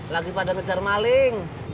lagi pada ngejar maling